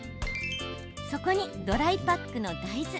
そこに、ドライパックの大豆。